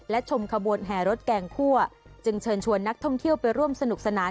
และชมขบวนแห่รถแกงคั่วจึงเชิญชวนนักท่องเที่ยวไปร่วมสนุกสนาน